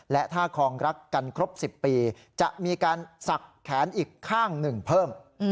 และถ้าคลองรักกันครบ๑๐ปีจะมีการสักแขนอีกข้างหนึ่งเพิ่ม